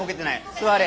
座れ。